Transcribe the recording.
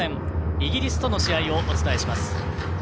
イギリスとの試合をお伝えします。